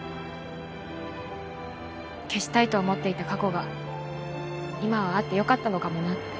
消したいと思っていた過去が今はあって良かったのかもなって。